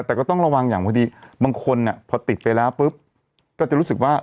แต่ก็ต้องระวังอย่างพอดีบางคนพอติดไปแล้วปุ๊บก็จะรู้สึกว่า